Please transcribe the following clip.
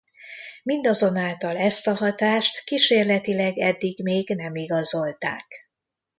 Mindazonáltal ezt a hatást kísérletileg eddig még nem igazolták.